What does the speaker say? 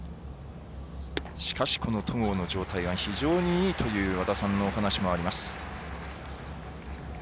しかしこの戸郷の状態が非常にいいという和田さんの話もあります。